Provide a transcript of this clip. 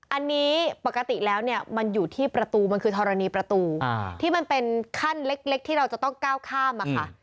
อันนี้ปกติแล้วเนี่ยมันอยู่ที่ประตูมันคือธรณีประตูที่มันเป็นขั้นเล็กที่เราจะต้องก้าวข้ามมาค่ะ